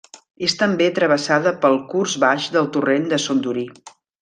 És també travessada pel curs baix del Torrent de Son Durí.